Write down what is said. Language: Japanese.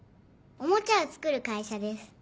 おもちゃを作る会社です。